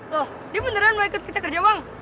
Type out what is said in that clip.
loh dia beneran mau ikut kita kerja bang